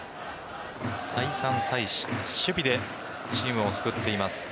再三再四守備でチームを救っています。